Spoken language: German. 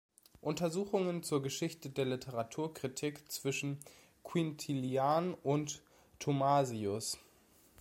Untersuchungen zur Geschichte der Literaturkritik zwischen Quintilian und Thomasius".